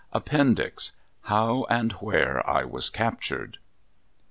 APPENDIX HOW AND WHERE I WAS CAPTURED.